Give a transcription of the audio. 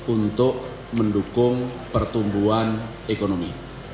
untuk mendukung pertumbuhan ekonomi